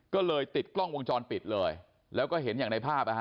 ก็เลยติดกล้องวงจรปิดเลยแล้วก็เห็นอย่างในภาพ